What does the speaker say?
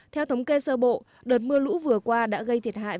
theo thống kê sơ bộ đợt mưa lũ vừa qua đã gây thiệt hại